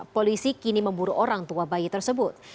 polisi kini memburu orang tua bayi tersebut